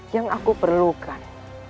yang aku perlukan